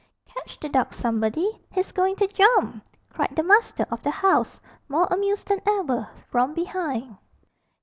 'Catch the dog, somebody, he's going to jump!' cried the master of the house, more amused than ever, from behind.